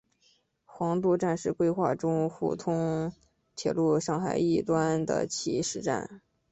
黄渡站是规划中沪通铁路上海一端的起始站。